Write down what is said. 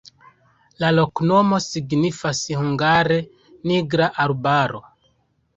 La loknomo signifas hungare: nigra-arbaro.